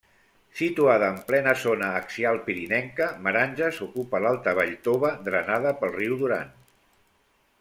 Situada en plena zona axial pirinenca, Meranges ocupa l'alta vall Tova, drenada pel riu Duran.